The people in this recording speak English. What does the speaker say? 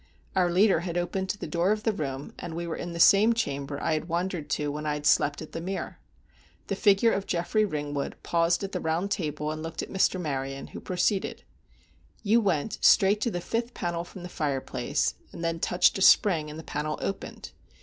Our leader had opened the door of the room, and we were in the same chamber I had wandered to when I had slept at The Mere. The figure of Geoffrey Ringwood paused at the round table, and looked again at Mr. Maryon, who proceeded: "You went straight to the fifth panel from the fireplace, and then touched a spring, and the panel opened.